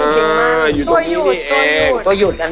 ตัวหยุดตัวหยุด